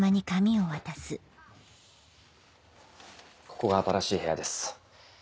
ここが新しい部屋です。